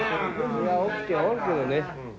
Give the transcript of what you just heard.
いや起きておるけどね。